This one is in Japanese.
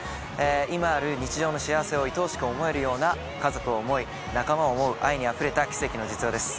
今ある日常の幸せを愛おしく思えるような家族を思い仲間を思う愛にあふれた奇跡の実話です